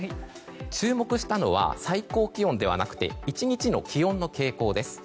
注目したのは最高気温ではなくて１日の気温の傾向です。